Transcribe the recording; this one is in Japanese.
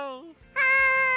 はい！